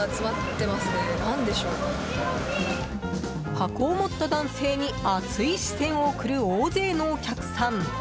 箱を持った男性に熱い視線を送る大勢のお客さん。